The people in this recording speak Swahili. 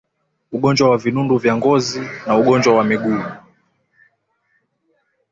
ugonjwa wa vinundu vya ngozi na ugonjwa wa miguu